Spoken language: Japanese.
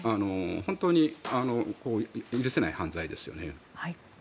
本当に許せない犯罪ですよね。